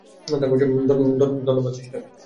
ধন্যবাদ, সিস্টার।